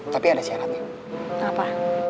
tapi ada syaratnya